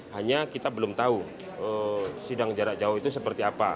hanya kita belum tahu sidang jarak jauh itu seperti apa